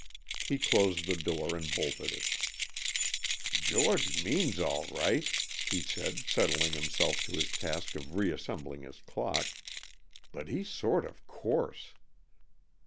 He closed the door and bolted it. "George means all right," he said, settling himself to his task of reassembling his clock, "but he's sort of coarse."